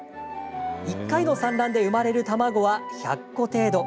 １回の産卵で生まれる卵は１００個程度。